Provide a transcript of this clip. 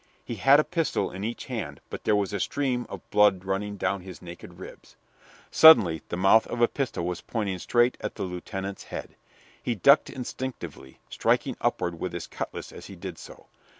He had a pistol in each hand; but there was a stream of blood running down his naked ribs. Suddenly, the mouth of a pistol was pointing straight at the lieutenant's head. He ducked instinctively, striking upward with his cutlass as he did so.